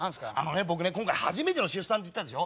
僕ね初めての出産って言ったでしょ。